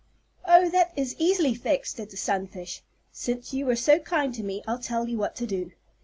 "Oh, that is easily fixed," said the sunfish. "Since you were so kind to me I'll tell you what to do.